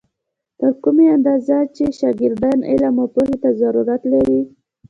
تر کومې اندازې چې شاګردان علم او پوهې ته ضرورت لري.